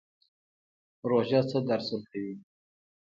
روژه څه درس ورکوي؟